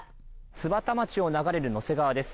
津幡町を流れるの川です。